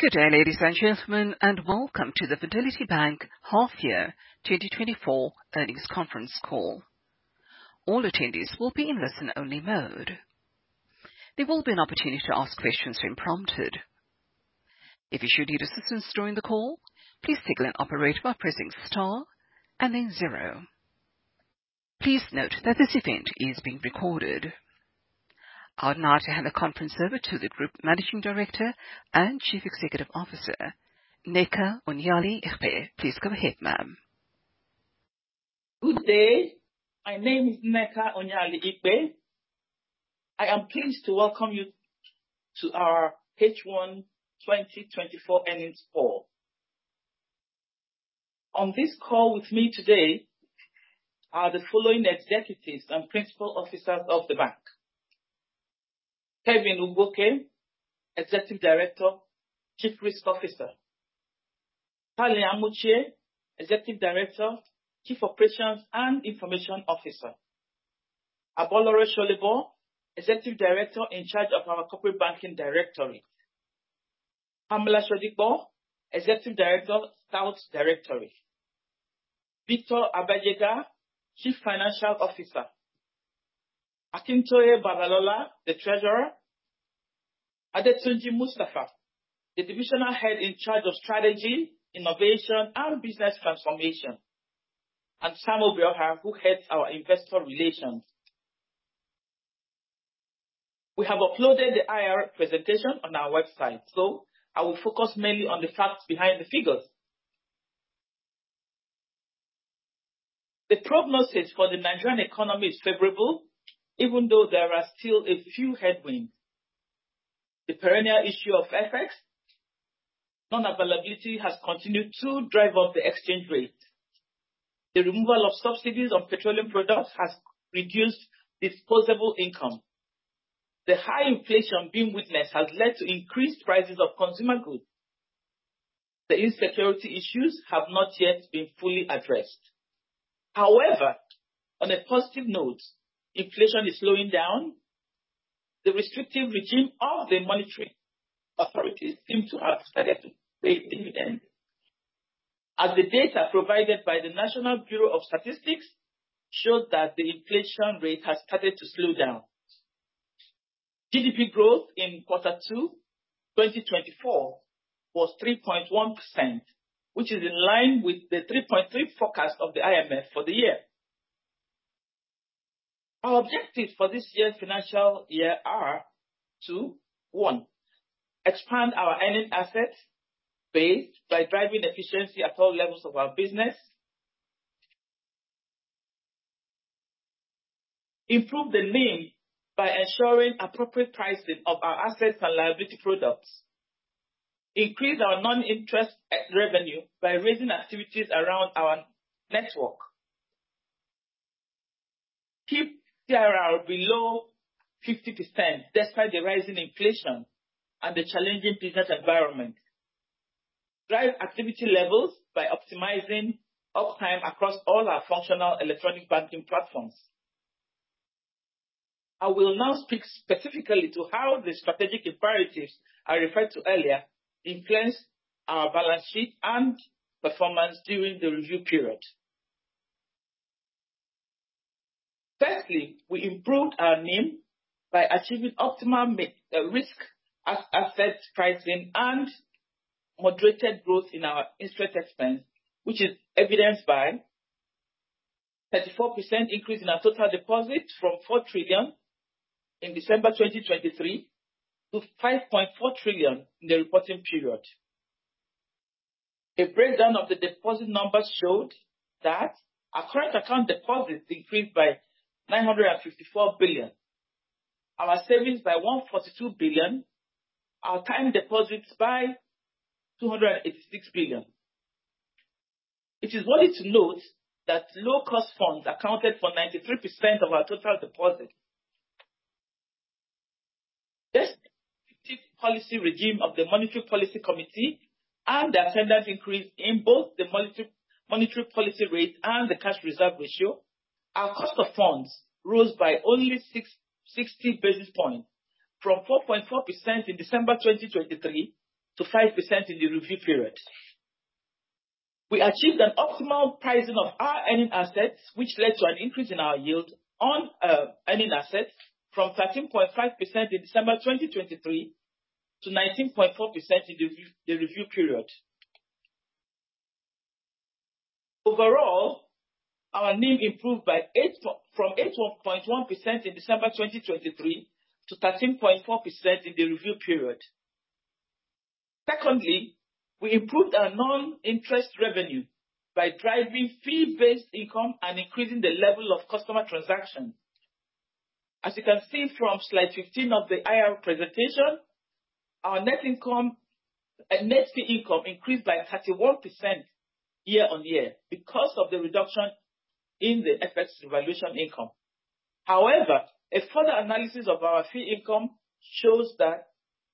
Good day, ladies and gentlemen, and welcome to the Fidelity Bank Half Year 2024 Earnings Conference Call. All attendees will be in listen-only mode. There will be an opportunity to ask questions when prompted. If you should need assistance during the call, please signal an operator by pressing star and then zero. Please note that this event is being recorded. I would now like to hand the conference over to the Group Managing Director and Chief Executive Officer, Nneka Onyeali-Ikpe. Please go ahead, ma'am. Good day. My name is Nneka Onyeali-Ikpe. I am pleased to welcome you to our H1 2024 earnings call. On this call with me today are the following executives and principal officers of the bank: Kevin Ugwuoke, Executive Director, Chief Risk Officer; Stanley Amuchie, Executive Director, Chief Operations and Information Officer; Abolore Solebo, Executive Director in charge of our Corporate Banking Directorate; Pamela Shodipo, Executive Director, South Directorate; Victor Abejegah, Chief Financial Officer; Akintoye Babalola, the Treasurer; Adetunji Mustafa, the Divisional Head in charge of Strategy, Innovation, and Business Transformation; and Samuel Obioha, who heads our Investor Relations. We have uploaded the IR presentation on our website, so I will focus mainly on the facts behind the figures. The prognosis for the Nigerian economy is favorable, even though there are still a few headwinds. The perennial issue of FX non-availability has continued to drive up the exchange rate. The removal of subsidies on petroleum products has reduced disposable income. The high inflation being witnessed has led to increased prices of consumer goods. The insecurity issues have not yet been fully addressed. However, on a positive note, inflation is slowing down. The restrictive regime of the monetary authorities seem to have started to pay dividend, as the data provided by the National Bureau of Statistics showed that the inflation rate has started to slow down. GDP growth in quarter two, 2024 was 3.1%, which is in line with the 3.3 forecast of the IMF for the year. Our objectives for this year's financial year are to, one, expand our earning assets base by driving efficiency at all levels of our business. Improve the NIM by ensuring appropriate pricing of our assets and liability products. Increase our non-interest revenue by raising activities around our network. Keep CRR below 50%, despite the rising inflation and the challenging business environment. Drive activity levels by optimizing uptime across all our functional electronic banking platforms. I will now speak specifically to how the strategic imperatives I referred to earlier influenced our balance sheet and performance during the review period. Firstly, we improved our NIM by achieving optimal risk asset pricing and moderated growth in our interest expense, which is evidenced by 34% increase in our total deposits from 4 trillion in December 2023 to 5.4 trillion in the reporting period. A breakdown of the deposit numbers showed that our current account deposits increased by 954 billion, our savings by 142 billion, our time deposits by 286 billion. It is worthy to note that low cost funds accounted for 93% of our total deposits. Despite the policy regime of the Monetary Policy Committee and the attendant increase in both the monetary policy rate and the cash reserve ratio, our cost of funds rose by only 60 basis points, from 4.4% in December 2023 to 5% in the review period. We achieved an optimal pricing of our earning assets, which led to an increase in our yield on earning assets from 13.5% in December 2023 to 19.4% in the review period. Overall, our NIM improved from 8.1% in December 2023 to 13.4% in the review period. Secondly, we improved our non-interest revenue by driving fee-based income and increasing the level of customer transactions. As you can see from Slide 15 of the IR presentation, our net income, net fee income increased by 31% year-on-year because of the reduction in the FX valuation income. However, a further analysis of our fee income shows that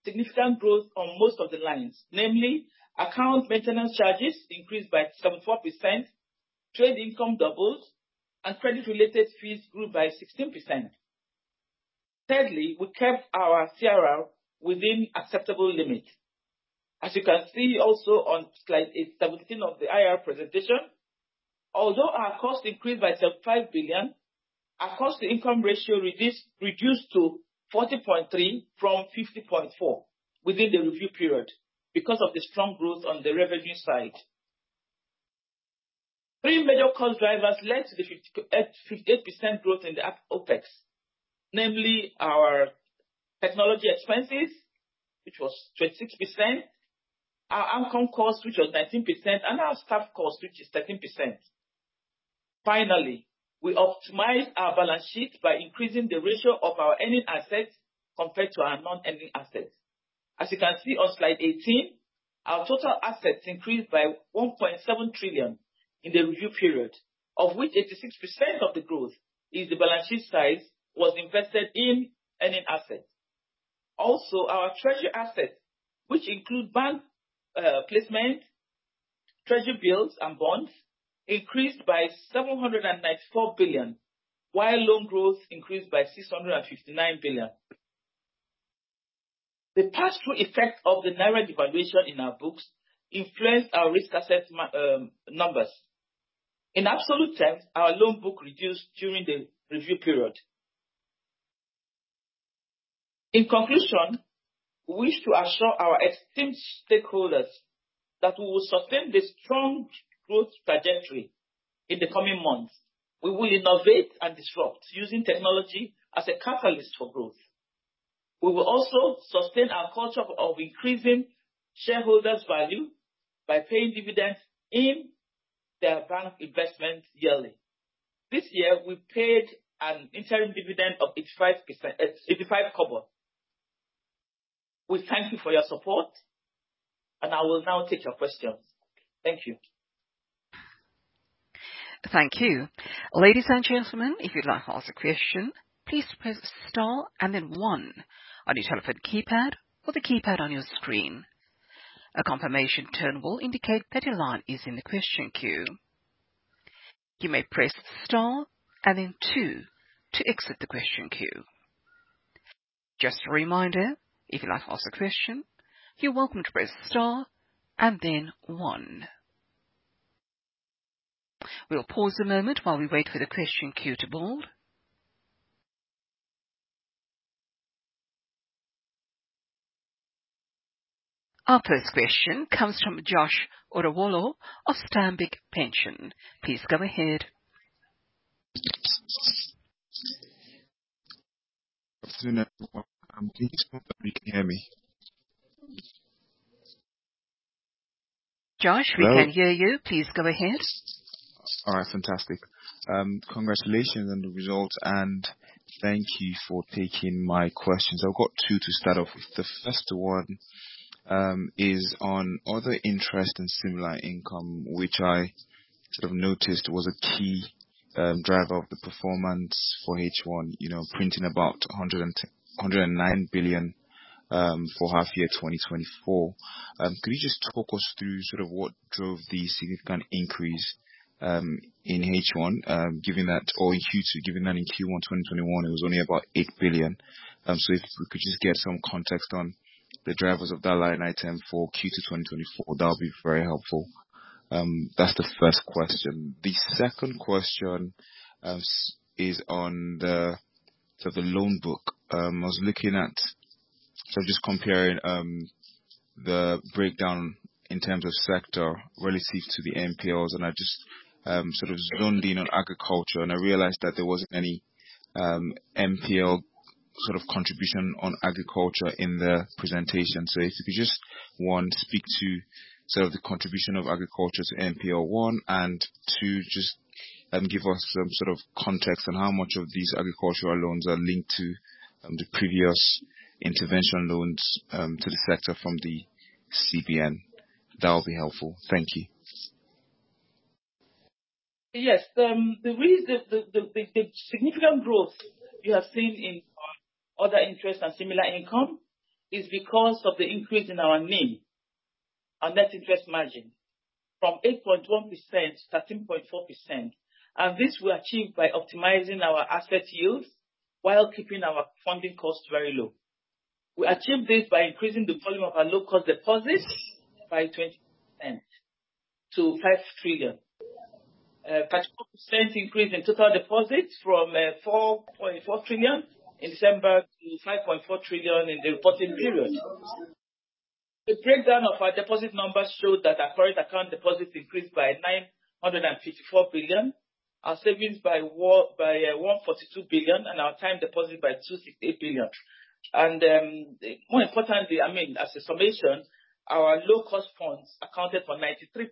significant growth on most of the lines, namely, account maintenance charges increased by 74%, trade income doubles, and credit-related fees grew by 16%. Thirdly, we kept our CRL within acceptable limits. As you can see also on Slide 17 of the IR presentation, although our cost increased by 7.5 billion, our cost-to-income ratio reduced to 40.3% from 50.4% within the review period because of the strong growth on the revenue side. Three major cost drivers led to the 58% growth in the OpEx. Namely, our technology expenses, which was 26%, our AMCON cost, which was 19%, and our staff cost, which is 13%. Finally, we optimized our balance sheet by increasing the ratio of our earning assets compared to our non-earning assets. As you can see on Slide 18, our total assets increased by 1.7 trillion in the review period, of which 86% of the growth is the balance sheet size was invested in earning assets. Also, our treasury assets, which include bank placement, treasury bills, and bonds, increased by 794 billion, while loan growth increased by 659 billion. The pass-through effect of the naira devaluation in our books influenced our risk asset numbers. In absolute terms, our loan book reduced during the review period. In conclusion, we wish to assure our esteemed stakeholders that we will sustain this strong growth trajectory in the coming months. We will innovate and disrupt using technology as a catalyst for growth. We will also sustain our culture of increasing shareholders' value by paying dividends in their bank investment yearly. This year, we paid an interim dividend of 85%, NGN 0.85. We thank you for your support, and I will now take your questions. Thank you. Thank you. Ladies and gentlemen, if you'd like to ask a question, please press star and then one on your telephone keypad or the keypad on your screen. A confirmation tone will indicate that your line is in the question queue. You may press star and then two to exit the question queue. Just a reminder, if you'd like to ask a question, you're welcome to press star and then one. We'll pause a moment while we wait for the question queue to build. Our first question comes from Josh Arowolo of Stanbic IBTC Pension Managers. Please go ahead.... Can you confirm that you can hear me? Josh- Hello? We can hear you. Please go ahead. All right, fantastic. Congratulations on the results, and thank you for taking my questions. I've got two to start off with. The first one is on other interest and similar income, which I sort of noticed was a key driver of the performance for H1, you know, printing about 109 billion for half year 2024. Could you just talk us through sort of what drove the significant increase in H1, given that... Or in Q2, given that in Q1 2021, it was only about 8 billion? So if we could just get some context on the drivers of that line item for Q2 2024, that would be very helpful. That's the first question. The second question is on the, sort of, loan book. I was looking at, so just comparing the breakdown in terms of sector relative to the NPLs, and I just sort of zoomed in on agriculture, and I realized that there wasn't any NPL sort of contribution on agriculture in the presentation. So if you could just one, speak to sort of the contribution of agriculture to NPL one, and two, just give us some sort of context on how much of these agricultural loans are linked to the previous intervention loans to the sector from the CBN? That would be helpful. Thank you. Yes. The reason the significant growth you have seen in other interests and similar income is because of the increase in our NIM, our net interest margin, from 8.1% to 13.4%. And this we achieved by optimizing our asset yields while keeping our funding costs very low. We achieved this by increasing the volume of our low-cost deposits by 20% to 5 trillion. Percent increase in total deposits from 4.4 trillion in December to 5.4 trillion in the reporting period. The breakdown of our deposit numbers show that our current account deposits increased by 954 billion, our savings by 142 billion, and our time deposit by 268 billion. And, more importantly, I mean, as a summation, our low cost funds accounted for 93%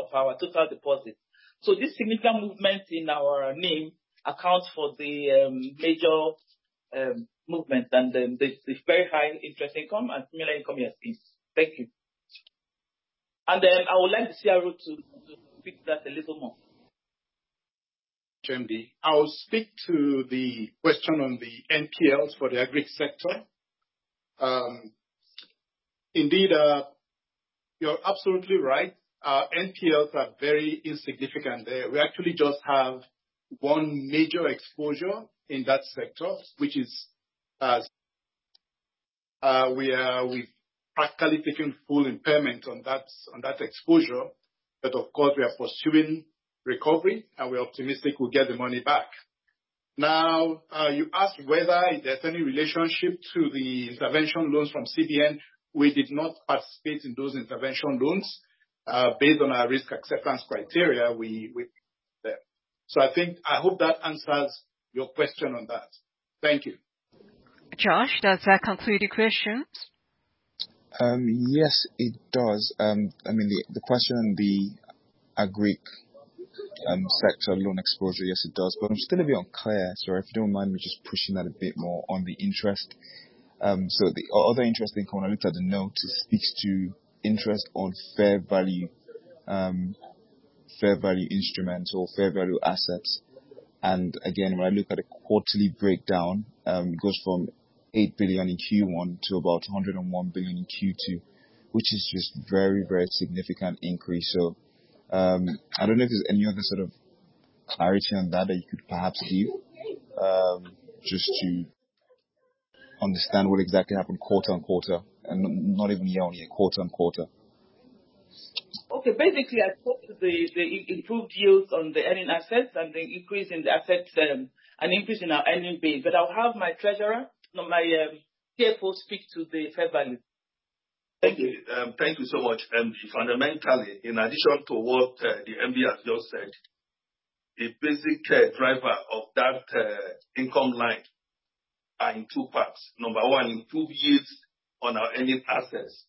of our total deposits. So this significant movement in our NIM accounts for the major movement, and the very high interest income and similar income you have seen. Thank you. And then I would like the CRO to speak to that a little more.... [GMV]. I will speak to the question on the NPLs for the agric sector.... Indeed, you're absolutely right. Our NPLs are very insignificant there. We actually just have one major exposure in that sector, which is, we've practically taken full impairment on that exposure, but of course, we are pursuing recovery, and we're optimistic we'll get the money back. Now, you asked whether there's any relationship to the intervention loans from CBN. We did not participate in those intervention loans. Based on our risk acceptance criteria, so I think, I hope that answers your question on that. Thank you. Josh, does that conclude your questions? Yes, it does. I mean, the question on the agric sector loan exposure, yes, it does. But I'm still a bit unclear, so if you don't mind me just pushing that a bit more on the interest. So the other interesting point I looked at the note is, speaks to interest on fair value fair value instruments or fair value assets. And again, when I look at a quarterly breakdown, it goes from 8 billion in Q1 to about 101 billion in Q2, which is just very, very significant increase. So, I don't know if there's any other sort of clarity on that you could perhaps give, just to understand what exactly happened quarter-on-quarter, and not even year-on-year, quarter-on-quarter. Okay. Basically, I talked to the improved yields on the earning assets and the increase in the asset, an increase in our earning base. But I'll have my treasurer, no, my, CFO speak to the fair value. Thank you. Thank you so much. Fundamentally, in addition to what the MD has just said, the basic driver of that income line are in two parts. Number one, improved yields on our earning assets,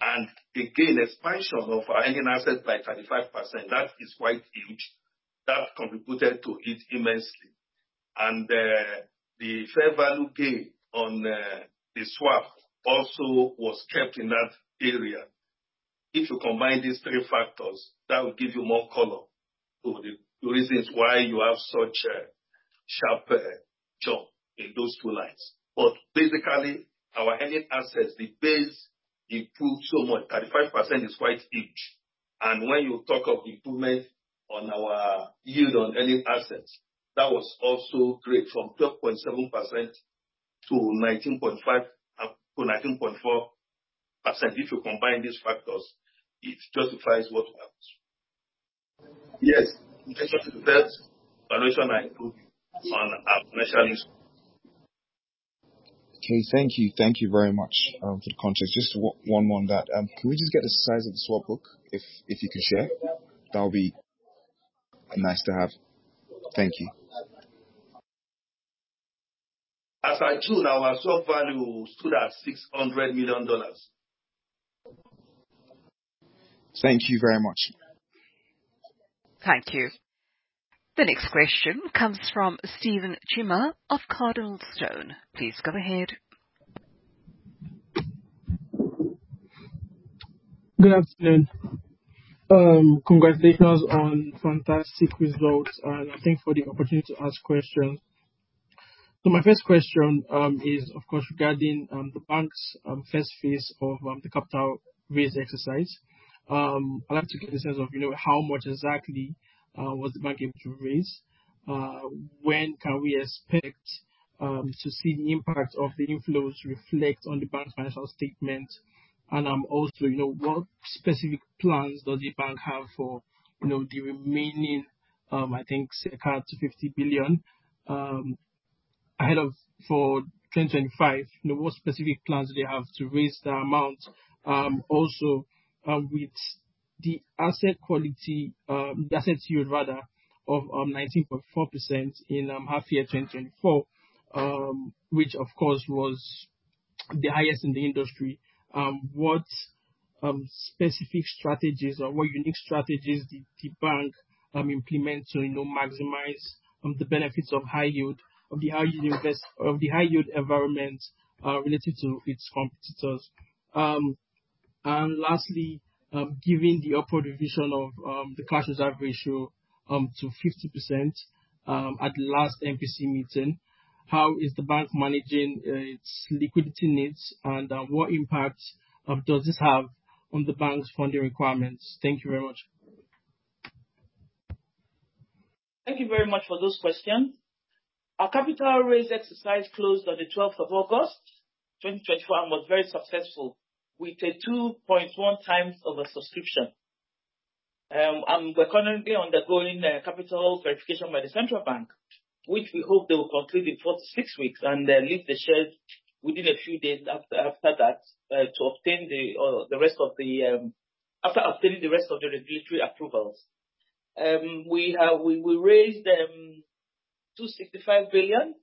and again, expansion of our earning assets by 35%. That is quite huge. That contributed to it immensely, and the fair value gain on the swap also was kept in that area. If you combine these three factors, that will give you more color to the reasons why you have such a sharp jump in those two lines, but basically, our earning assets, the base improved so much. 35% is quite huge, and when you talk of improvement on our yield on earning assets, that was also great, from 12.7% to 19.5% to 19.4%. If you combine these factors, it justifies what happened. Yes, in addition to that, valuation improved on our commercial- Okay, thank you. Thank you very much for the context. Just one more on that. Can we just get the size of the swap book, if you can share? That would be nice to have. Thank you. As at June, our swap value stood at $600 million. Thank you very much. Thank you. The next question comes from Stephen Chima of CardinalStone. Please go ahead. Good afternoon. Congratulations on fantastic results, and I thank for the opportunity to ask questions. So my first question is of course regarding the bank's first phase of the capital raise exercise. I'd like to get a sense of, you know, how much exactly was the bank able to raise? When can we expect to see the impact of the inflows reflect on the bank's financial statement? And also, you know, what specific plans does the bank have for, you know, the remaining, I think, close to 50 billion ahead of for 2025? You know, what specific plans do they have to raise the amount? Also, with the asset quality, the asset yield rather, of 19.4% in half year 2024, which of course was the highest in the industry, what specific strategies or what unique strategies did the bank implement to, you know, maximize the benefits of high yield, of the high yield environment related to its competitors? And lastly, given the upward revision of the cash reserve ratio to 50% at the last MPC meeting, how is the bank managing its liquidity needs, and what impact does this have on the bank's funding requirements? Thank you very much. Thank you very much for those questions. Our capital raise exercise closed on the 12th of August, 2021, was very successful, with a 2.1x oversubscription. And we're currently undergoing capital verification by the Central Bank, which we hope they will conclude in four to six weeks, and list the shares within a few days after that to obtain the rest of the regulatory approvals. We raised 265 billion,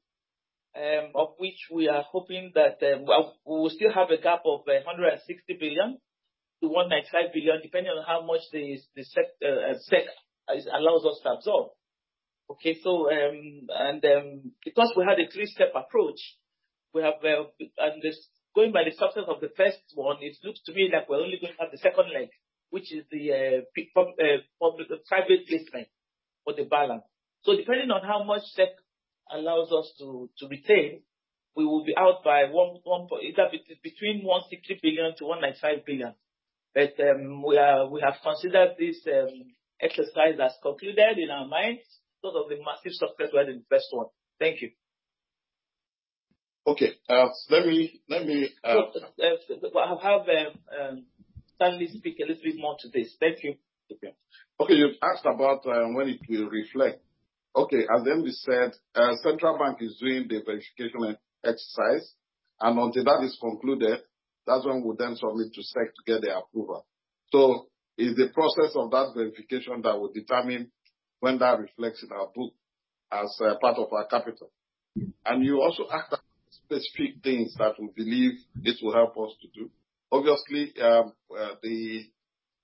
of which we are hoping that, well, we still have a gap of 160 billion-195 billion, depending on how much the SEC allows us to absorb. Okay, so, because we had a three-step approach, we have this going by the success of the first one. It looks to me like we're only going to have the second leg, which is the public private placement for the balance. So depending on how much SEC allows us to retain, we will be out either between 160 billion-195 billion. But, we have considered this exercise as concluded in our minds, sort of the massive success we had in the first one. Thank you. Okay, let me- I'll have Stanley speak a little bit more to this. Thank you. Okay. Okay, you've asked about when it will reflect. Okay, and then we said Central Bank is doing the verification exercise, and until that is concluded, that's when we'll then submit to SEC to get the approval. So it's the process of that verification that will determine when that reflects in our book as part of our capital. Mm. And you also asked about specific things that we believe this will help us to do. Obviously,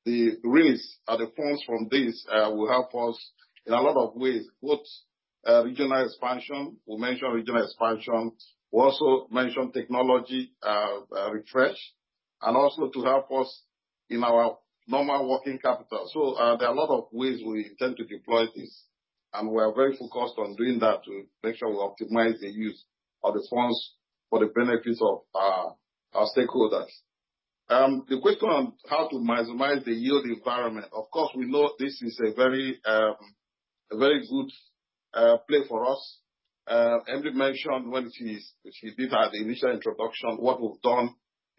the release or the funds from this will help us in a lot of ways, both regional expansion, we mentioned regional expansion, we also mentioned technology refresh, and also to help us in our normal working capital. So there are a lot of ways we intend to deploy this, and we are very focused on doing that to make sure we optimize the use of the funds for the benefits of our stakeholders. The question on how to maximize the yield environment, of course, we know this is a very good play for us. MD mentioned when she did her initial introduction, what we've done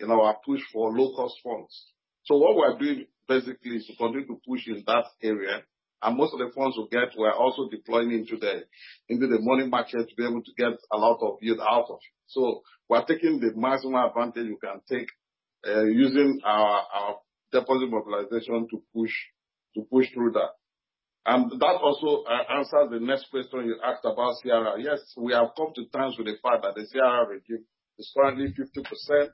in our push for low-cost funds. So what we're doing basically is continuing to push in that area, and most of the funds we get, we're also deploying into the money market to be able to get a lot of yield out of. So we're taking the maximum advantage we can take using our deposit mobilization to push through that. And that also answers the next question you asked about CRR. Yes, we have come to terms with the fact that the CRR rate is currently 50%,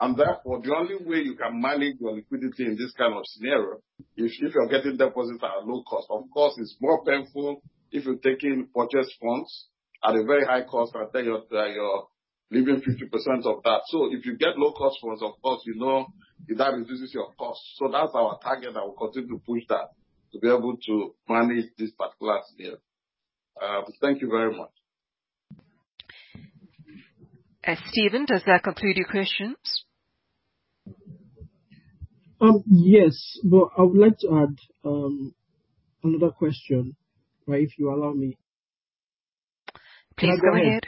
and therefore, the only way you can manage your liquidity in this kind of scenario is if you're getting deposits at a low cost. Of course, it's more painful if you're taking purchase funds at a very high cost, and then you're leaving 50% of that. So if you get low cost funds, of course, you know that reduces your cost. So that's our target, and we'll continue to push that to be able to manage this particular scenario. Thank you very much. Stephen, does that conclude your questions? Yes, but I would like to add another question, right, if you allow me? Please go ahead.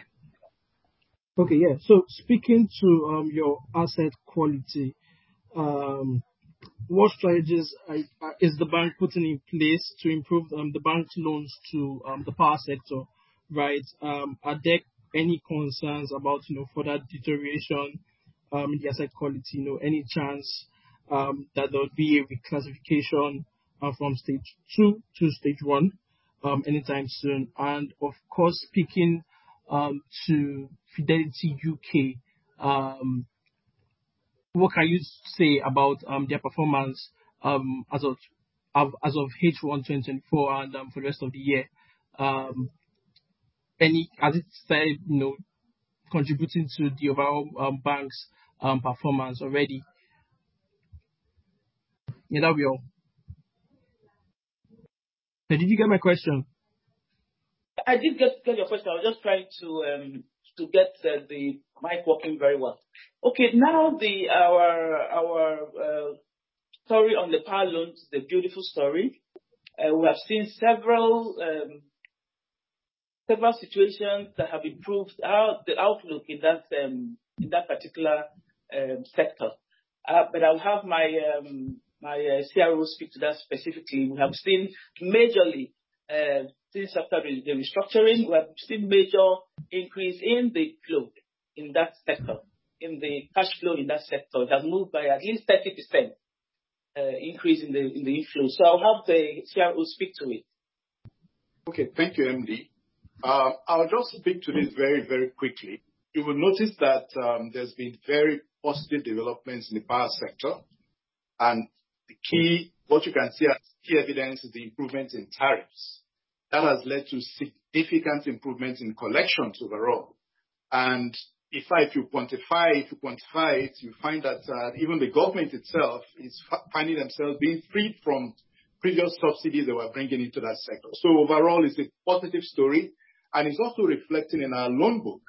Okay, yeah. So speaking to your asset quality, what strategies is the bank putting in place to improve the bank's loans to the power sector, right? Are there any concerns about, you know, further deterioration in the asset quality? You know, any chance that there will be a reclassification from Stage 2 to Stage 1 anytime soon? And of course, speaking to Fidelity UK, what can you say about their performance as of H1 2024 and for the rest of the year? Has it started, you know, contributing to the overall bank's performance already? And that's all. Hey, did you get my question? I did get your question. I was just trying to get the mic working very well. Okay, now our story on the power loans, the beautiful story. We have seen several situations that have improved the outlook in that particular sector. But I'll have my CRO speak to that specifically. We have seen majorly, since after the restructuring, we have seen major increase in the flow in that sector, in the cash flow in that sector. It has moved by at least 30% increase in the inflow. So I'll have the CRO speak to it. Okay. Thank you, MD. I'll just speak to this very, very quickly. You will notice that there's been very positive developments in the power sector, and the key, what you can see as key evidence, is the improvement in tariffs. That has led to significant improvement in collections overall, and in fact, if you quantify it, you find that even the government itself is finding themselves being free from previous subsidies they were bringing into that sector, so overall, it's a positive story, and it's also reflected in our loan book.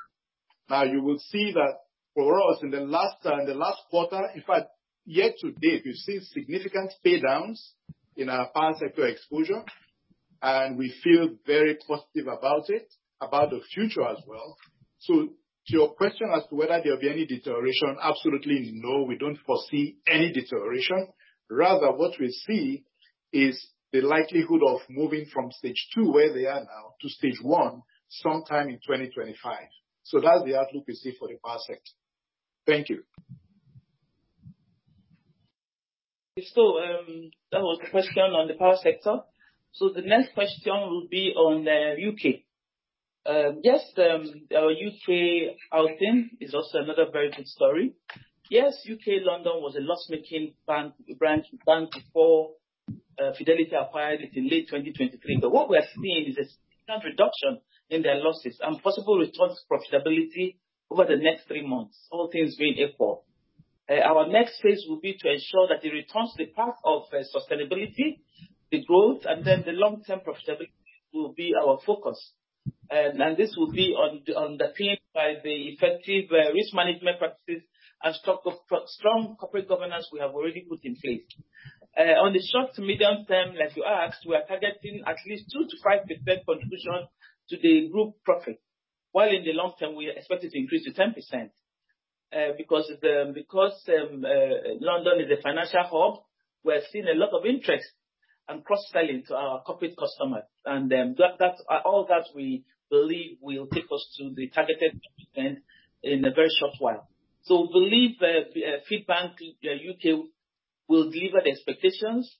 Now, you will see that for us, in the last quarter, in fact, year to date, we've seen significant paydowns in our power sector exposure, and we feel very positive about it, about the future as well. So to your question as to whether there will be any deterioration, absolutely no, we don't foresee any deterioration. Rather, what we see is the likelihood of moving from Stage 2, where they are now, to Stage 1 sometime in 2025. So that's the outlook we see for the power sector. Thank you. That was the question on the power sector. The next question will be on U.K. Yes, our U.K. outing is also another very good story. Yes, U.K., London, was a loss-making bank, branch bank before, Fidelity acquired it in late 2023. But what we're seeing is a significant reduction in their losses and possible return to profitability over the next three months, all things being equal. Our next phase will be to ensure that the returns, the path of, sustainability, the growth, and then the long-term profitability will be our focus. And this will be on the theme by the effective, risk management practices and strong corporate governance we have already put in place. On the short to medium term, as you asked, we are targeting at least 2-5% contribution to the group profit, while in the long term, we expect it to increase to 10%. Because London is a financial hub, we're seeing a lot of interest and cross-selling to our corporate customers, and that all that we believe will take us to the targeted end in a very short while. We believe Fidelity Bank UK will deliver the expectations,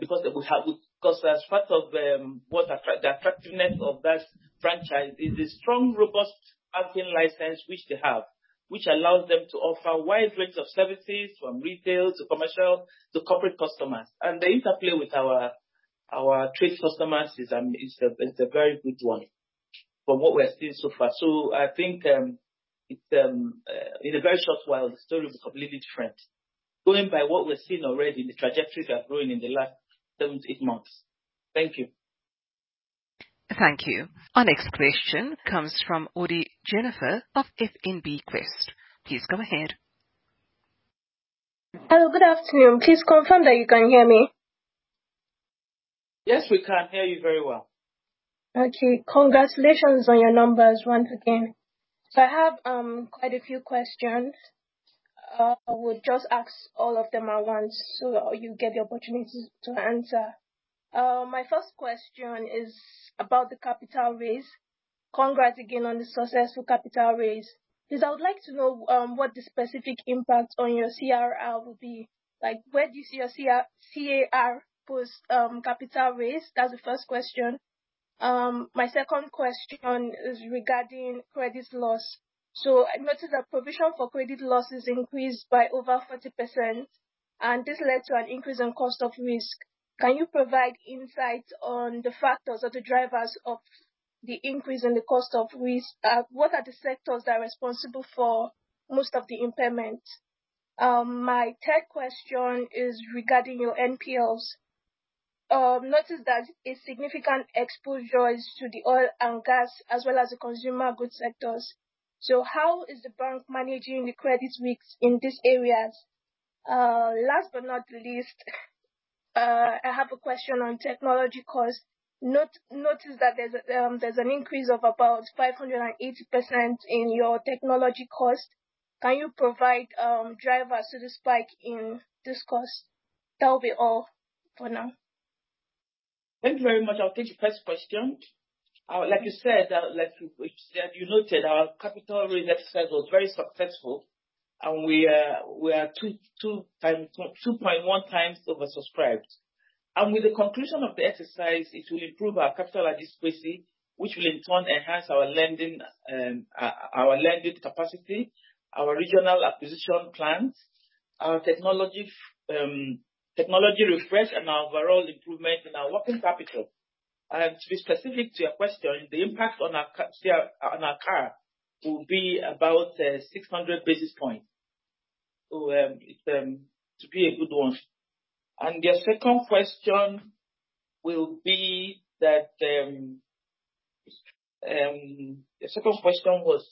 because as part of the attractiveness of that franchise is the strong, robust banking license which they have, which allows them to offer a wide range of services, from retail to commercial to corporate customers. And the interplay with our trade customers is a very good one from what we're seeing so far. So I think it's in a very short while, the story will become completely different. Going by what we're seeing already, the trajectory we are growing in the last seven-to-eight months. Thank you. Thank you. Our next question comes from Jennifer Audi of FBNQuest. Please go ahead. Hello, good afternoon. Please confirm that you can hear me? Yes, we can hear you very well. Okay. Congratulations on your numbers once again. So I have quite a few questions. I would just ask all of them at once, so you get the opportunity to answer. My first question is about the capital raise. Congrats again on the successful capital raise. I would like to know what the specific impact on your CRL will be? Like, where do you see your CAR post capital raise? That's the first question. My second question is regarding credit loss. So I noticed that provision for credit losses increased by over 40%, and this led to an increase in cost of risk. Can you provide insight on the factors or the drivers of the increase in the cost of risk? What are the sectors that are responsible for most of the impairment? My third question is regarding your NPLs. Noticed that a significant exposure is to the oil and gas, as well as the consumer goods sectors. So how is the bank managing the credit risk in these areas? Last but not least, I have a question on technology cost. Noticed that there's an increase of about 580% in your technology cost. Can you provide drivers to the spike in this cost? That will be all for now. Thank you very much. I'll take the first question. Like you said, like you noted, our capital raise exercise was very successful, and we are two times, 2.1x oversubscribed. And with the conclusion of the exercise, it will improve our capital adequacy, which will in turn enhance our lending, our lending capacity, our regional acquisition plans, our technology refresh, and our overall improvement in our working capital. And to be specific to your question, the impact on our CAR will be about 600 basis points. So, it's to be a good one. And your second question will be that... Your second question was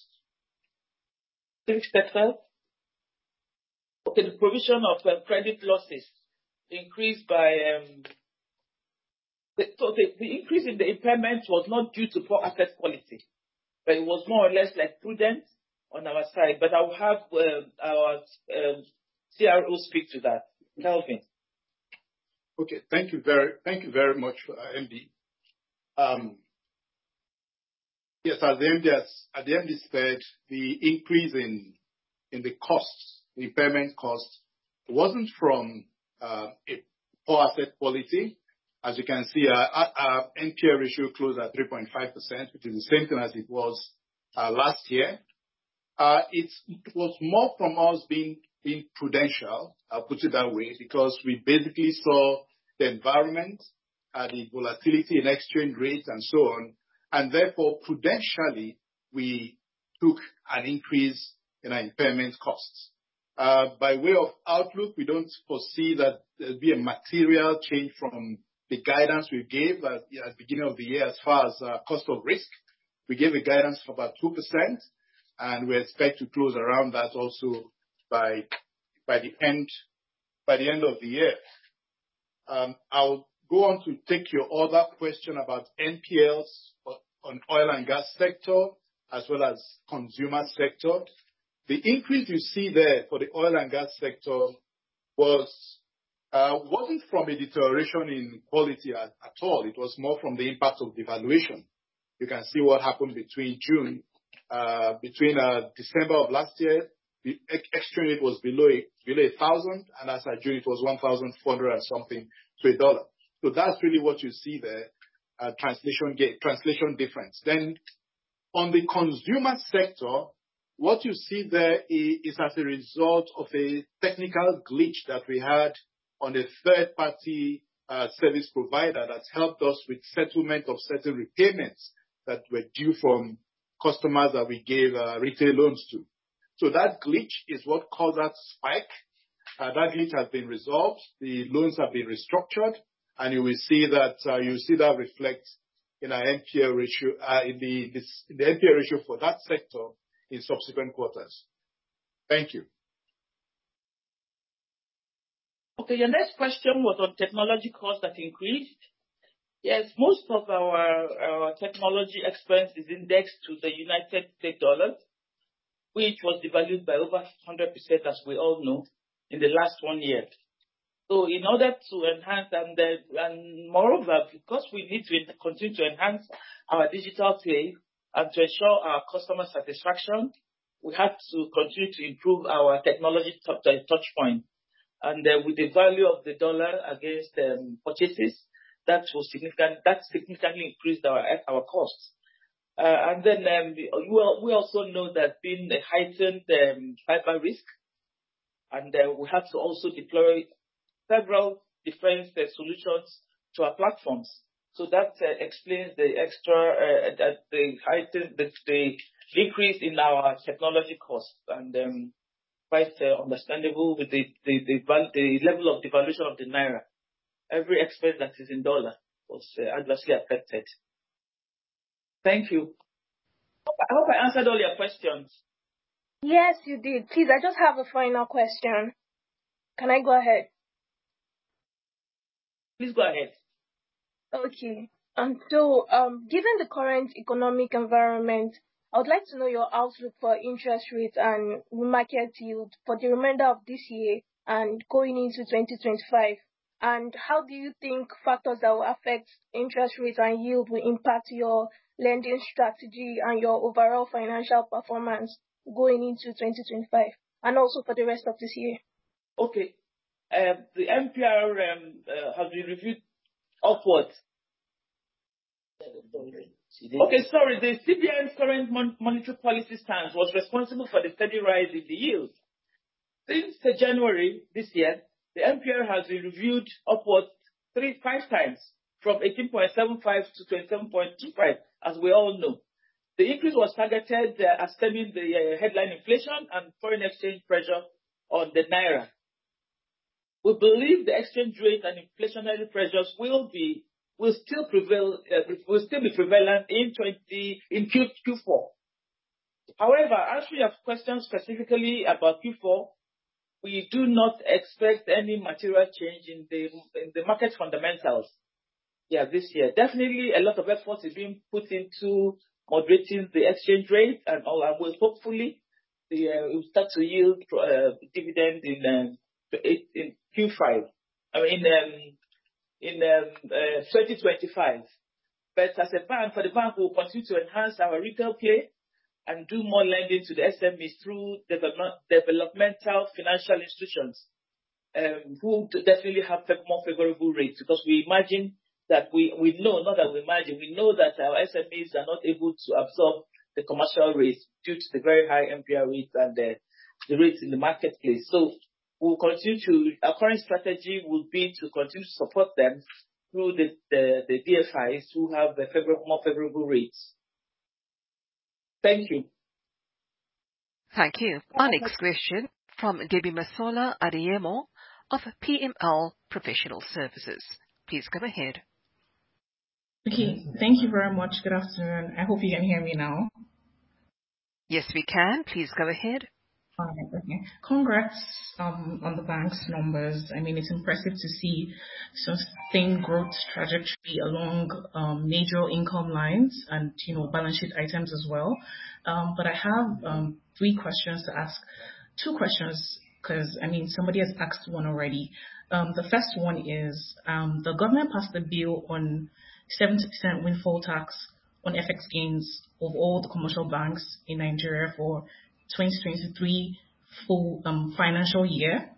three sectors? Okay, the provision of credit losses increased by... So the increase in the impairment was not due to poor asset quality, but it was more or less like prudence on our side. But I will have our CRO speak to that. Kevin? Okay, thank you very, thank you very much, MD. Yes, as MD has, as MD said, the increase in the costs, the impairment costs, wasn't from a poor asset quality. As you can see, our NPL ratio closed at 3.5%, which is the same thing as it was last year. It was more from us being prudential, I'll put it that way, because we basically saw the environment, the volatility in exchange rates and so on, and therefore, prudentially, we took an increase in our impairment costs. By way of outlook, we don't foresee that there'll be a material change from the guidance we gave at the beginning of the year, as far as cost of risk. We gave a guidance of about 2%, and we expect to close around that also by the end of the year. I'll go on to take your other question about NPLs on oil and gas sector, as well as consumer sector. The increase you see there for the oil and gas sector was, wasn't from a deterioration in quality at all. It was more from the impact of devaluation. You can see what happened between June, between December of last year. The exchange rate was below a 1,000, and as at June, it was 1,400 and something to a dollar. So that's really what you see there, a translation difference. Then on the consumer sector, what you see there is as a result of a technical glitch that we had on a third party service provider that's helped us with settlement of certain repayments that were due from customers that we gave retail loans to. So that glitch is what caused that spike. That glitch has been resolved, the loans have been restructured, and you will see that reflect in our NPL ratio, in the NPL ratio for that sector in subsequent quarters. Thank you. Okay, your next question was on technology costs that increased. Yes, most of our technology expense is indexed to the United States dollar, which was devalued by over 100%, as we all know, in the last one year. So in order to enhance, and moreover, because we need to continue to enhance our digital play and to ensure our customer satisfaction, we have to continue to improve our technology touchpoint. And with the value of the dollar against purchases, that significantly increased our costs. And then we also know that being the heightened cyber risk, and we have to also deploy several different solutions to our platforms. So that explains the extra item, the decrease in our technology costs, and quite understandable with the level of devaluation of the naira. Every expense that is in dollar was adversely affected. Thank you. I hope I answered all your questions. Yes, you did. Please, I just have a final question. Can I go ahead? Please go ahead. Okay. So, given the current economic environment, I would like to know your outlook for interest rates and market yield for the remainder of this year and going into 2025. And how do you think factors that will affect interest rates and yield will impact your lending strategy and your overall financial performance going into 2025, and also for the rest of this year? Okay. The MPR has been reviewed upwards. Okay, sorry. The CBN's current monetary policy stance was responsible for the steady rise in the yields. Since January this year, the MPR has been reviewed upwards 3x to 5x, from 18.75 to 27.25, as we all know. The increase was targeted as stemming the headline inflation and foreign exchange pressure on the naira. We believe the exchange rate and inflationary pressures will still be prevalent in 2024 in Q2. However, as we have questioned specifically about Q4, we do not expect any material change in the market fundamentals this year. Definitely, a lot of effort is being put into moderating the exchange rate and all, and will hopefully, it will start to yield, dividend in, the eight, in Q5, I mean, in, 2025. But as a bank, for the bank, we will continue to enhance our retail play and do more lending to the SMEs through developmental financial institutions, who definitely have more favorable rates. Because we imagine that we... We know, not that we imagine, we know that our SMEs are not able to absorb the commercial rates due to the very high MPR rates and the rates in the marketplace. So we'll continue to, our current strategy will be to continue to support them through the DFIs, who have more favorable rates. Thank you. Thank you. Our next question from Debbie Mosala-Adeyemo of PML Professional Services. Please go ahead. Okay. Thank you very much. Good afternoon. I hope you can hear me now. Yes, we can. Please go ahead. Okay, perfect. Congrats on the bank's numbers. I mean, it's impressive to see sustained growth trajectory along major income lines and, you know, balance sheet items as well. But I have three questions to ask. Two questions, 'cause, I mean, somebody has asked one already. The first one is, the government passed a bill on 70% windfall tax on FX gains of all the commercial banks in Nigeria for 2023 full financial year.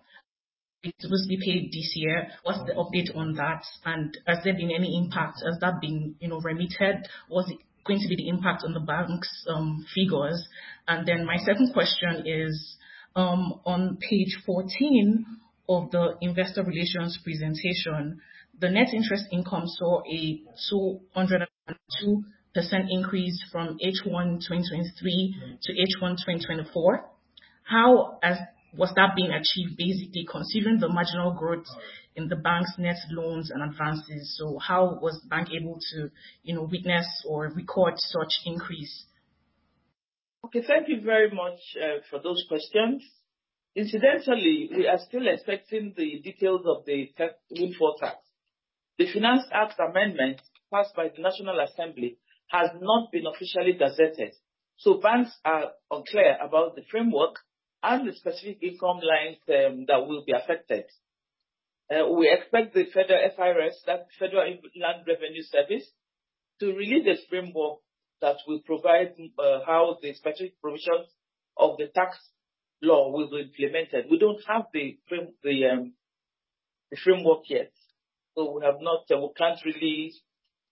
It was to be paid this year. What's the update on that? And has there been any impact? Has that been, you know, remitted? What's it going to be the impact on the bank's figures? Then my second question is, on page 14 of the investor relations presentation, the net interest income saw a 102% increase from H1 2023 to H1 2024. How was that being achieved, basically, considering the marginal growth in the bank's net loans and advances? So how was the bank able to, you know, witness or record such increase? Okay, thank you very much, for those questions. Incidentally, we are still expecting the details of the tax, windfall tax. The Finance Act Amendment passed by the National Assembly has not been officially gazetted, so banks are unclear about the framework and the specific income lines, that will be affected. We expect the federal FIRS, that's Federal Inland Revenue Service, to release this framework that will provide, how the specific provisions of the tax law will be implemented. We don't have the framework yet, so we have not, we can't really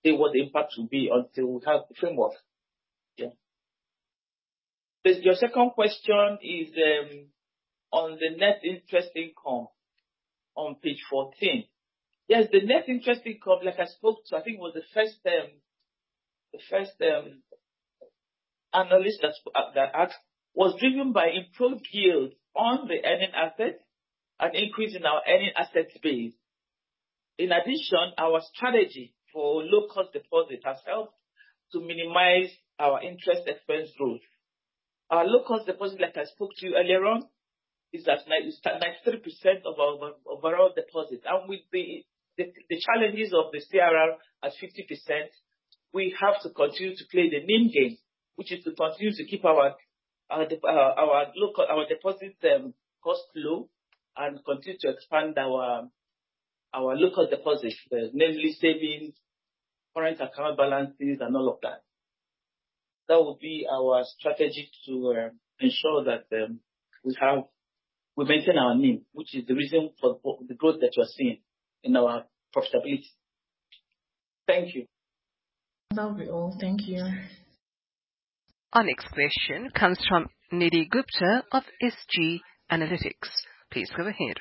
say what the impact will be until we have the framework. Yeah. Your second question is, on the net interest income on Page 14. Yes, the net interest income, like I spoke to, I think it was the first time-... The first analyst that asked was driven by improved yields on the earning assets and increase in our earning asset base. In addition, our strategy for low-cost deposit has helped to minimize our interest expense growth. Our low-cost deposit, like I spoke to you earlier on, is at 9.93% of our overall deposit, and with the challenges of the CRR at 50%, we have to continue to play the NIM game, which is to continue to keep our deposit cost low, and continue to expand our local deposits, namely savings, current account balances, and all of that. That will be our strategy to ensure that we maintain our NIM, which is the reason for the growth that you're seeing in our profitability. Thank you. That'll be all. Thank you. Our next question comes from Nidhi Gupta of SG Analytics. Please go ahead.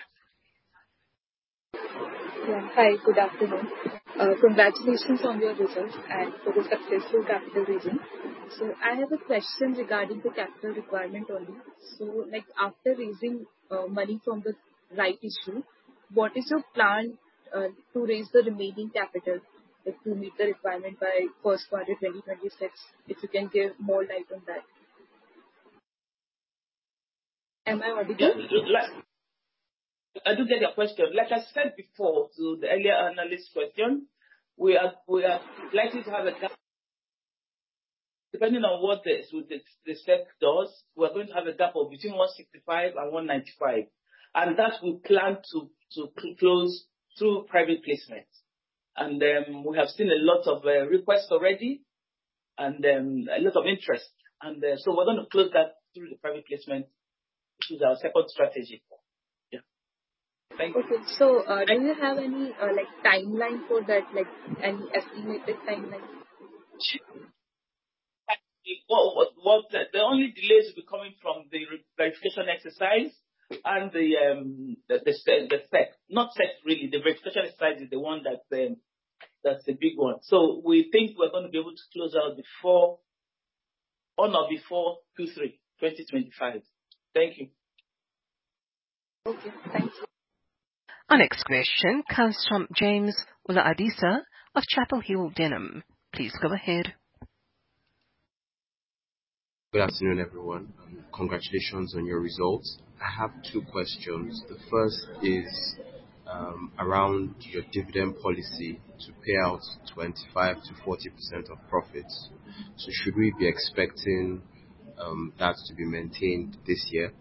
Yeah. Hi, good afternoon. Congratulations on your results and for the successful capital raising, so I have a question regarding the capital requirement only, so like after raising money from the rights issue, what is your plan to raise the remaining capital, like to meet the requirement by first quarter 2026? If you can give more light on that. Am I audible? Yeah, I did get your question. Like I said before, to the earlier analyst question, we are likely to have a gap. Depending on what the SEC does, we are going to have a gap of between 165 and 195, and that we plan to close through private placements. And we have seen a lot of requests already, and a lot of interest. And so we're going to close that through the private placement, which is our second strategy. Yeah. Thank you. Okay. So, do you have any, like timeline for that? Like any estimated timeline? Sure. Well, the only delays will be coming from the re-verification exercise and the SEC. Not SEC, really, the verification exercise is the one that's the big one. So we think we're going to be able to close out before, on or before Q3 2025. Thank you. Okay, thanks. Our next question comes from James Ola-Adisa of Chapel Hill Denham. Please go ahead. Good afternoon, everyone, and congratulations on your results. I have two questions. The first is around your dividend policy to pay out 25%-40% of profits. So should we be expecting that to be maintained this year?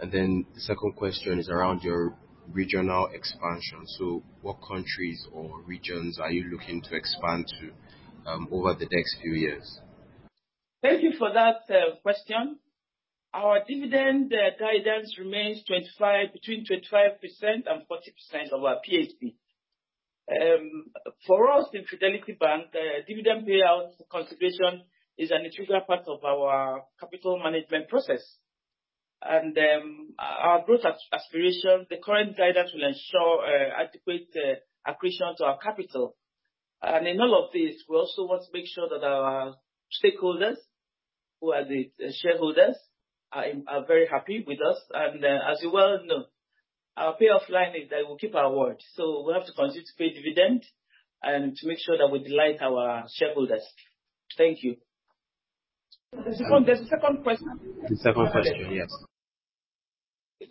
And then the second question is around your regional expansion. So what countries or regions are you looking to expand to over the next few years? Thank you for that question. Our dividend guidance remains 25%, between 25% and 40% of our PAT. For us in Fidelity Bank, the dividend payout consideration is an integral part of our capital management process, and our growth aspiration, the current guidance will ensure adequate accretion to our capital. And in all of this, we also want to make sure that our stakeholders, who are the shareholders, are very happy with us, and as you well know, our payoff line is that we keep our word, so we have to continue to pay dividend and to make sure that we delight our shareholders. Thank you. There's a second question. The second question, yes.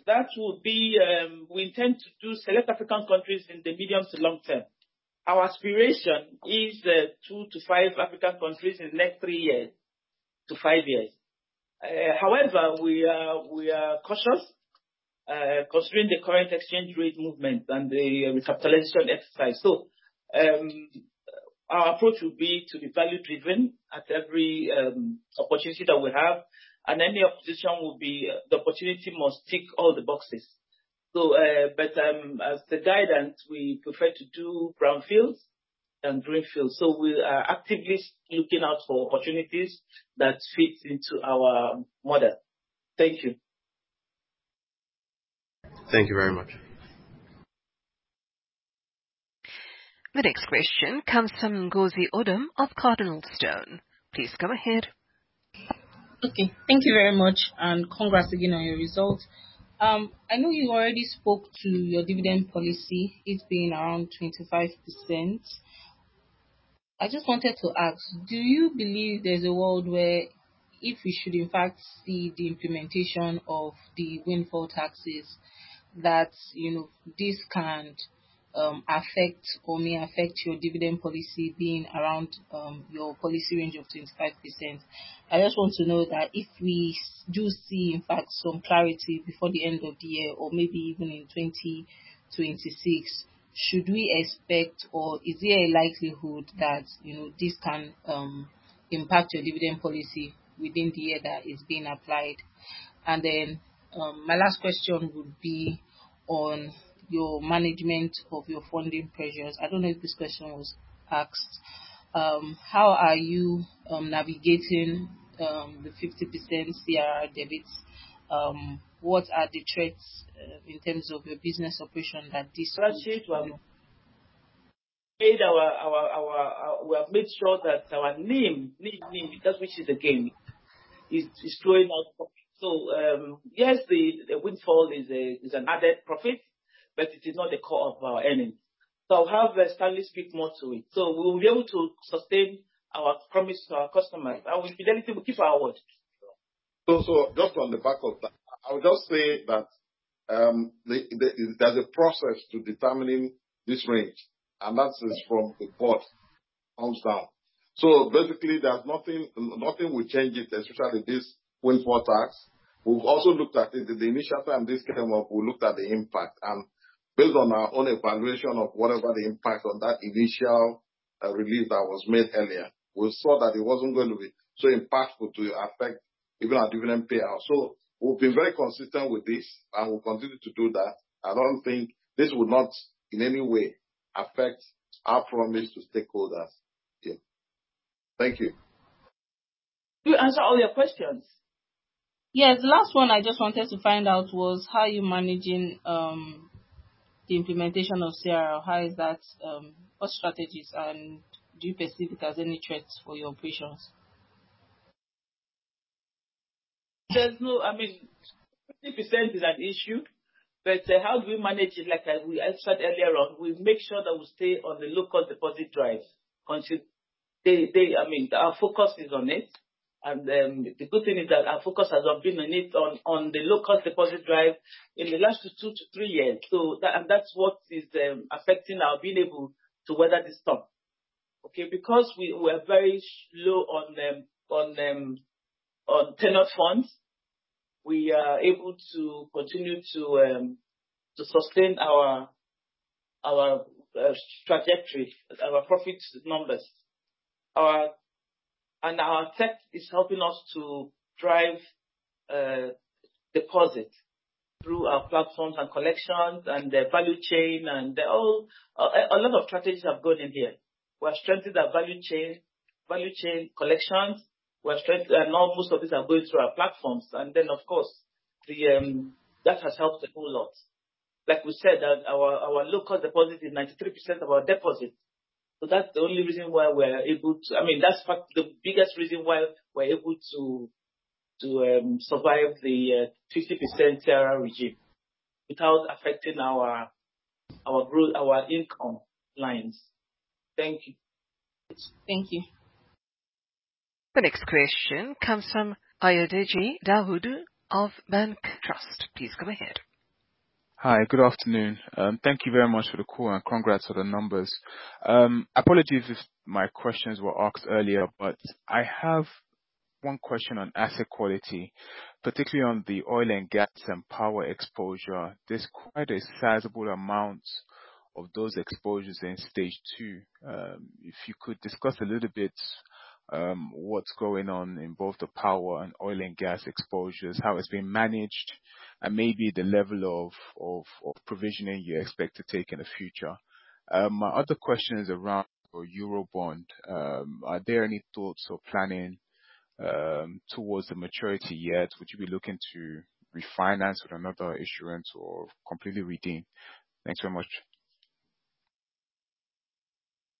That will be, we intend to do select African countries in the medium to long term. Our aspiration is two to five African countries in the next three to five years. However, we are cautious considering the current exchange rate movement and the recapitalization exercise. So, our approach will be to be value driven at every opportunity that we have, and any opportunity will be, the opportunity must tick all the boxes. But as guidance, we prefer to do brownfields and greenfields. So we are actively looking out for opportunities that fit into our model. Thank you. Thank you very much. The next question comes from Ngozi Odum of CardinalStone. Please go ahead. Okay. Thank you very much, and congrats again on your results. I know you already spoke to your dividend policy, it being around 25%. I just wanted to ask, do you believe there's a world where if we should in fact see the implementation of the windfall taxes, that, you know, this can affect or may affect your dividend policy being around your policy range of 25%? I just want to know that if we do see, in fact, some clarity before the end of the year or maybe even in 2026, should we expect, or is there a likelihood that, you know, this can impact your dividend policy within the year that it's being applied? And then, my last question would be on your management of your funding pressures. I don't know if this question was asked. How are you navigating the 50% CRR debit? What are the trades in terms of your business operation that this- We have made sure that our NIM, net NIM, that which is the gain, is growing out properly. So, yes, the windfall is an added profit, but it is not the core of our earnings. So I'll have Stanley speak more to it. So we'll be able to sustain our promise to our customers, and we definitely will keep our word. So just on the back of that, I would just say that, there's a process to determining this range, and that is from the board, comes down. So basically, there's nothing will change it, especially this windfall tax. We've also looked at it, the initial time this came up, we looked at the impact. And based on our own evaluation of whatever the impact on that initial relief that was made earlier, we saw that it wasn't going to be so impactful to affect even our dividend payout. So we've been very consistent with this, and we'll continue to do that. I don't think this would not in any way affect our promise to stakeholders. Yeah. Thank you. We answer all your questions? Yes, the last one I just wanted to find out was how you're managing the implementation of CRR. How is that... What strategies, and do you perceive it as any threat for your operations? There's no, I mean, 50% is an issue, but how do we manage it? Like I mentioned earlier on, we make sure that we stay on the local deposit drives consistently. They, I mean, our focus is on it. And the good thing is that our focus has been on it, on the local deposit drive in the last two to three years. So that, and that's what is affecting our being able to weather the storm. Okay? Because we are very short on foreign funds, we are able to continue to sustain our trajectory, our profits numbers. Our and our tech is helping us to drive deposit through our platforms and collections and the value chain and all. A lot of strategies have gone in here. We have strengthened our value chain, value chain collections. We have strengthened, and now most of these are going through our platforms. And then, of course, that has helped a whole lot. Like we said, our local deposit is 93% of our deposit, so that's the only reason why we're able to- I mean, that's fact, the biggest reason why we're able to survive the 50% CRR regime without affecting our growth, our income lines. Thank you. Thank you. The next question comes from Ayodeji Dawodu of BancTrust & Co. Please go ahead. Hi, good afternoon. Thank you very much for the call, and congrats on the numbers. Apologies if my questions were asked earlier, but I have one question on asset quality, particularly on the oil and gas and power exposure. There's quite a sizable amount of those exposures in Stage 2. If you could discuss a little bit, what's going on in both the power and oil and gas exposures, how it's being managed, and maybe the level of provisioning you expect to take in the future. My other question is around your Eurobond. Are there any thoughts or planning towards the maturity yet? Would you be looking to refinance with another issuance or completely redeem? Thanks so much.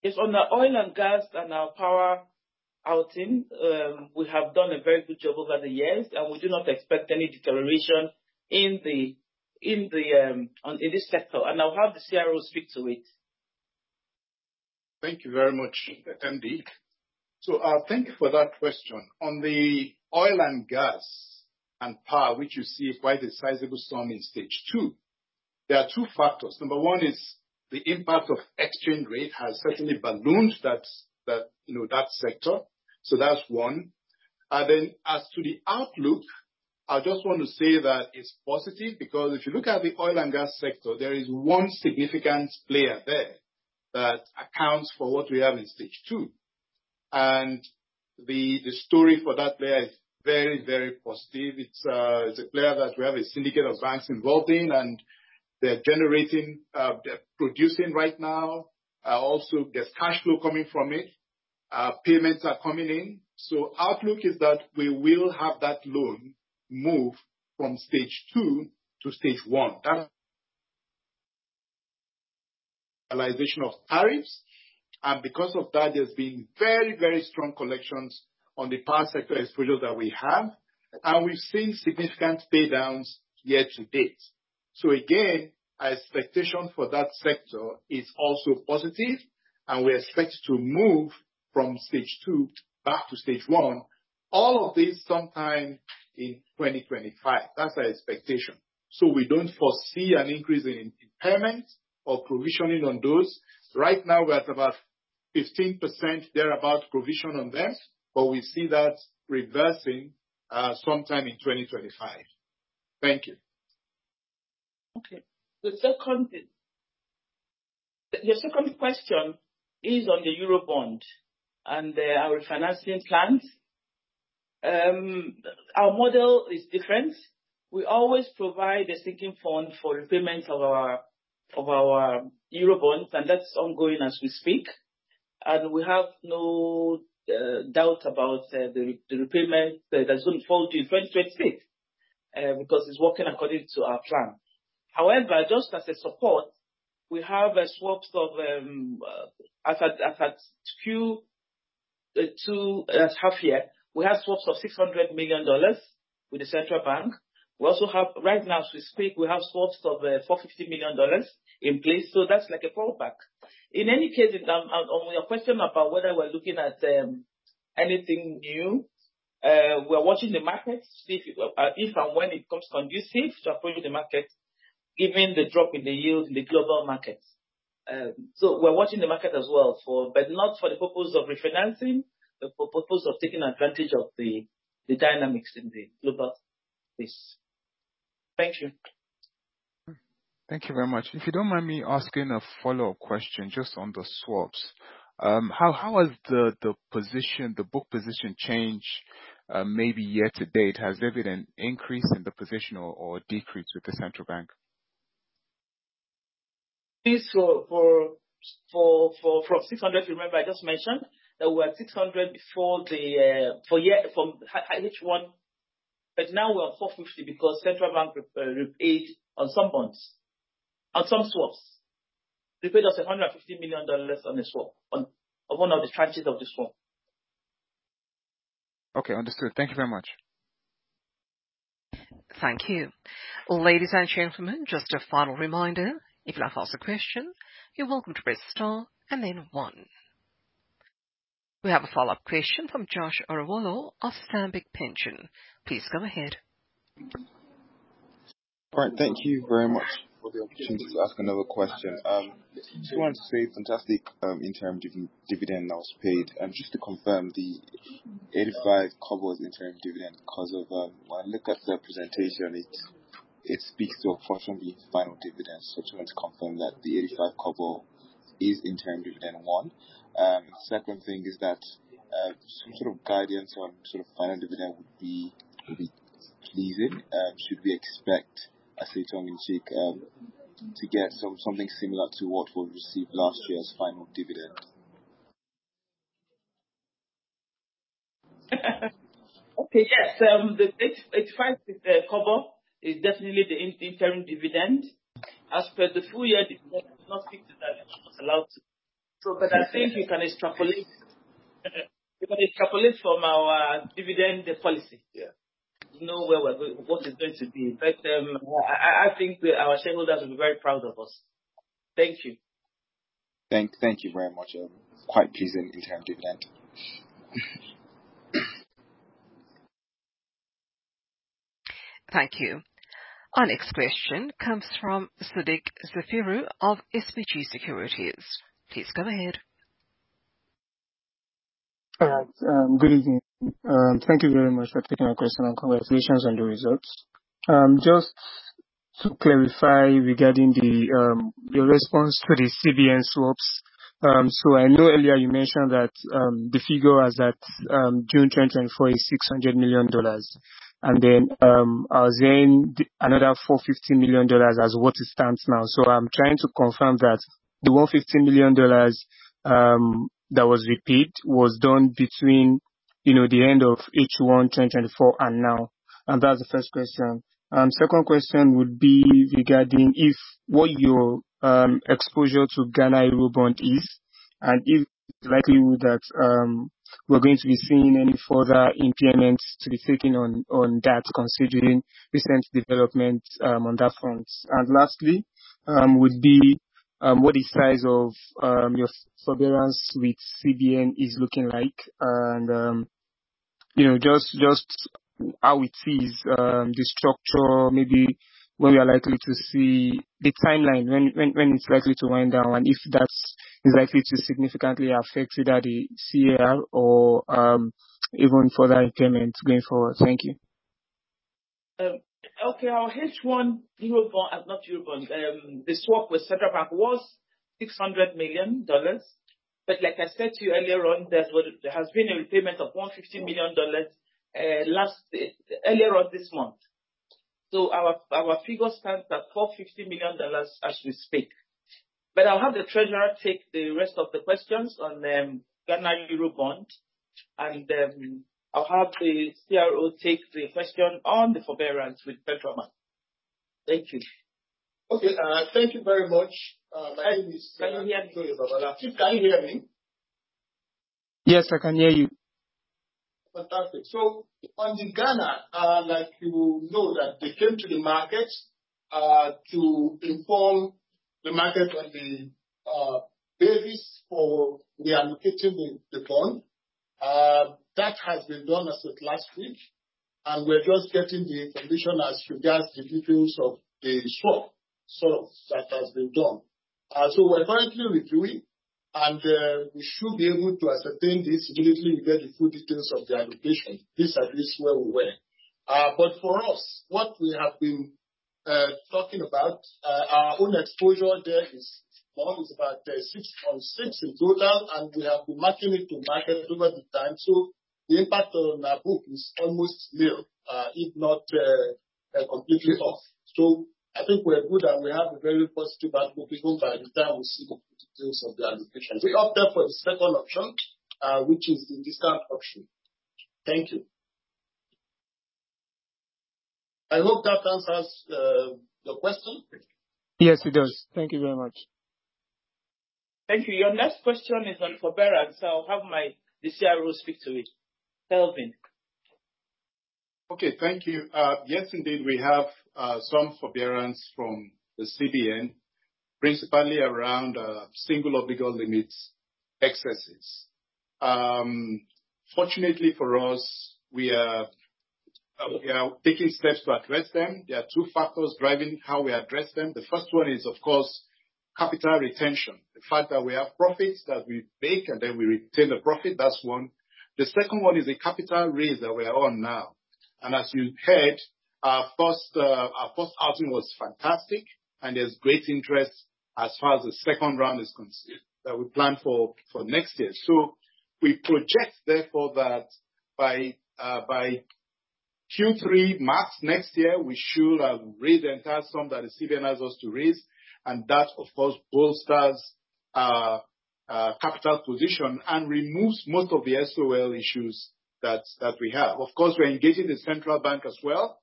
Yes, on the oil and gas and our power outing, we have done a very good job over the years, and we do not expect any deterioration in this sector, and I'll have the CRO speak to it. Thank you very much, MD. Thank you for that question. On the oil and gas and power, which you see is quite a sizable sum in Stage 2, there are two factors. Number one is, the impact of exchange rate has certainly ballooned that, you know, that sector. That's one. And then as to the outlook, I just want to say that it's positive, because if you look at the oil and gas sector, there is one significant player there that accounts for what we have in Stage 2. And the story for that player is very, very positive. It's a player that we have a syndicate of banks involved in, and they're generating, they're producing right now. Also, there's cash flow coming from it. Payments are coming in. So outlook is that we will have that loan move from Stage 2 to Stage 1. That... realization of tariffs, and because of that, there's been very, very strong collections on the power sector exposure that we have, and we've seen significant paydowns year to date. So again, our expectation for that sector is also positive, and we expect to move from Stage 2 back to Stage 1, all of this sometime in 2025. That's our expectation. So we don't foresee an increase in impairment or provisioning on those. Right now, we're at about 15%, thereabout, provision on them, but we see that reversing sometime in 2025. Thank you. Okay. The second question is on the Eurobond and our financing plans. Our model is different. We always provide a sinking fund for repayment of our Eurobonds, and that's ongoing as we speak. We have no doubt about the repayment that is going to fall due in 2023 because it's working according to our plan. However, just as a support, we have swaps of as at Q2 half year, we had swaps of $600 million with the Central Bank. We also have, right now as we speak, we have swaps of $450 million in place, so that's like a fallback. In any case, on your question about whether we're looking at anything new, we are watching the markets to see if and when it becomes conducive to approach the market, given the drop in the yield in the global markets. So we're watching the market as well for, but not for the purpose of refinancing, but for purpose of taking advantage of the dynamics in the global space. Thank you. Thank you very much. If you don't mind me asking a follow-up question just on the swaps, how has the position, the book position changed, maybe year to date? Has there been an increase in the position or a decrease with the Central Bank? So for $600 million, remember I just mentioned that we were at $600 million before the year, from H1, but now we're at $450 million because Central Bank repaid on some bonds, on some swaps. They paid us $150 million less on the swap, on one of the tranches of the swap. Okay, understood. Thank you very much. Thank you. Ladies and gentlemen, just a final reminder, if you'd like to ask a question, you're welcome to press star and then one. We have a follow-up question from Josh Arowolo of Stanbic IBTC Pension Managers. Please go ahead. All right, thank you very much for the opportunity to ask another question. Just want to say fantastic, interim dividend that was paid, and just to confirm the 0.85 interim dividend, because when I look at the presentation, it speaks to the final dividend. So just want to confirm that the 0.85 is interim dividend, one. Second thing is that some sort of guidance on sort of final dividend would be pleasing. Should we expect to get something similar to what we received last year's final dividend? Okay, yes. The 0.85 is definitely the interim dividend. As per the full year dividend, I did not speak to that. I was allowed to. So but I think you can extrapolate from our dividend policy. Yeah. You know, where we're going, what is going to be. But, I think our shareholders will be very proud of us. Thank you. Thank you very much. Quite pleasing interim dividend. Thank you. Our next question comes from Sodiq Safiriyu of SBG Securities. Please go ahead. Good evening. Thank you very much for taking our question on conversations and the results. Just to clarify regarding the, your response to the CBN swaps. So I know earlier you mentioned that, the figure as at June 2024 is $600 million. And then, as in another $450 million as what it stands now. So I'm trying to confirm that the $150 million that was repaid was done between, you know, the end of H1 2024 and now, and that's the first question. Second question would be regarding if, what your, exposure to Ghana Eurobond is, and if it's likely that, we're going to be seeing any further impairments to be taken on that, considering recent developments, on that front. Lastly, would be what the size of your forbearance with CBN is looking like and, you know, just how it is, the structure, maybe when we are likely to see the timeline, when it's likely to wind down, and if that's likely to significantly affect either the CL or even further impairments going forward? Thank you. Okay. Our H1 Eurobond, not Eurobond, the swap with Central Bank was $600 million. But like I said to you earlier on, there's been, there has been a repayment of $150 million, last, earlier on this month. So our figure stands at $450 million as we speak. But I'll have the treasurer take the rest of the questions on, Ghana Eurobond, and, I'll have the CRO take the question on the forbearance with Central Bank. Thank you. Okay, thank you very much. My name is Akintoye Babalola. Sodiq, can you hear me? Yes, I can hear you. Fantastic. So on the Ghana, like you know, that they came to the market to inform the market on the basis for the allocation with the bond. That has been done as at last week, and we're just getting the information as regards the details of the swap. So that has been done. So we're currently reviewing, and we should be able to ascertain this immediately we get the full details of the allocation. This at least where we were. But for us, what we have been talking about, our own exposure there is small, it's about $6.6 million, and we have been matching it to market over the time. So- ... the impact on our book is almost nil, if not completely off. So I think we're good, and we have a very positive by the time we see the details of the allocation. We opted for the second option, which is the discount option. Thank you. I hope that answers your question? Yes, it does. Thank you very much. Thank you. Your next question is on forbearance. I'll have my, the CRO speak to it. Kevin? Okay, thank you. Yes, indeed, we have some forbearance from the CBN, principally around single obligor limits excesses. Fortunately for us, we are taking steps to address them. There are two factors driving how we address them. The first one is, of course, capital retention. The fact that we have profits that we make, and then we retain the profit. That's one. The second one is a capital raise that we are on now, and as you heard, our first outing was fantastic, and there's great interest as far as the second round is concerned, that we plan for next year. We project therefore that by Q3, March next year, we should have raised the entire sum that the CBN allows us to raise, and that of course bolsters our capital position and removes most of the SOL issues that we have. Of course, we're engaging the Central Bank as well,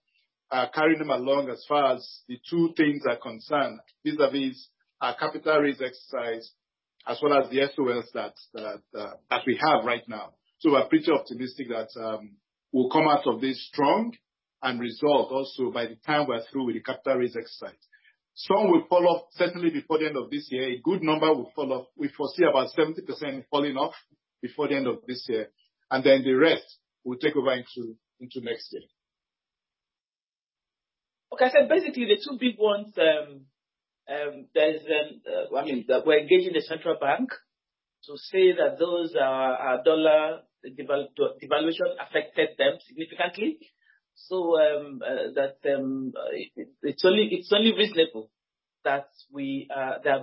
carrying them along as far as the two things are concerned, vis-à-vis our capital raise exercise, as well as the SOLs that we have right now. We're pretty optimistic that we'll come out of this strong and resolved also by the time we're through with the capital raise exercise. Some will fall off certainly before the end of this year, a good number will fall off. We foresee about 70% falling off before the end of this year, and then the rest will take over into next year. Okay. So basically, the two big ones, I mean, we're engaging the Central Bank to say that those are dollar devaluation affected them significantly. So it's only reasonable that the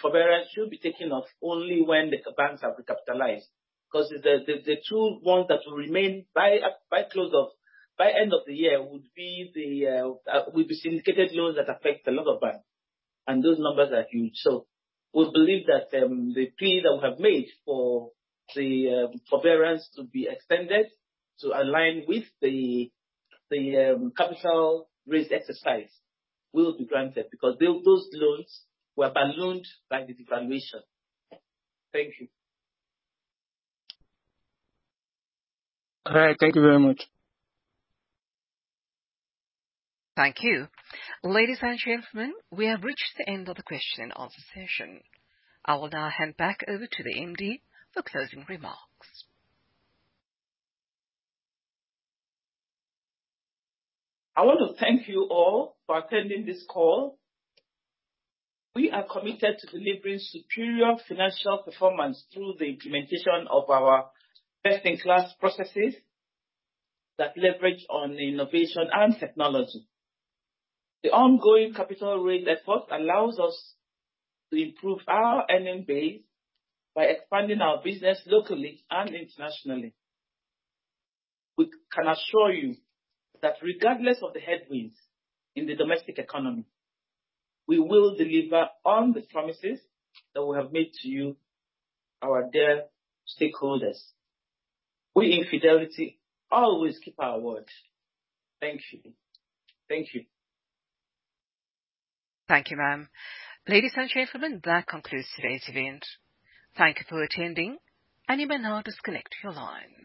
forbearance should be taken off only when the banks are recapitalized. Because the true one that will remain by end of the year would be syndicated loans that affect a lot of banks, and those numbers are huge. So we believe that the plea that we have made for the forbearance to be extended to align with the capital raise exercise will be granted, because those loans were ballooned by the devaluation. Thank you. All right. Thank you very much. Thank you. Ladies and gentlemen, we have reached the end of the question and answer session. I will now hand back over to the MD for closing remarks. I want to thank you all for attending this call. We are committed to delivering superior financial performance through the implementation of our best-in-class processes, that leverage on innovation and technology. The ongoing capital raise effort allows us to improve our earning base by expanding our business locally and internationally. We can assure you that regardless of the headwinds in the domestic economy, we will deliver on the promises that we have made to you, our dear stakeholders. We in Fidelity always keep our word. Thank you. Thank you. Thank you, ma'am. Ladies and gentlemen, that concludes today's event. Thank you for attending, and you may now disconnect your lines.